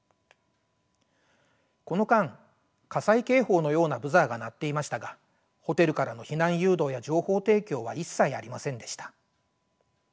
この間火災警報のようなブザーが鳴っていましたがホテルからの避難誘導や情報提供は一切ありませんでした。